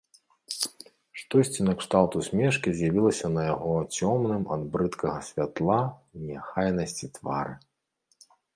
Штосьці накшталт усмешкі з'явілася на яго цёмным ад брыдкага святла і неахайнасці твары.